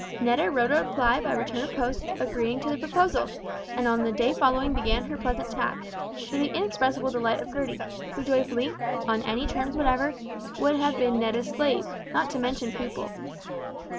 Netta wrote a reply by return of post agreeing to the proposal, and on the day following began her pleasant task, to the inexpressible delight of Gertie, who would joyfully, on any terms whatever, have been Netta's slave not to mention pupil.